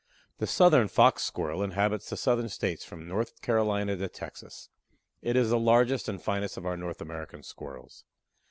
The southern Fox Squirrel inhabits the Southern States from North Carolina to Texas. It is the largest and finest of our North American Squirrels.